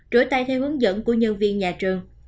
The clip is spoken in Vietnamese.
rửa tay theo hướng dẫn của nhân viên nhà trường